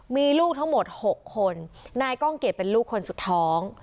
มีลูกทั้งหมด๖คนนายก้องเกียจเป็นลูกคนสุดท้อง